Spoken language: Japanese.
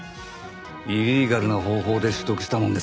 イリーガルな方法で取得したものですかね？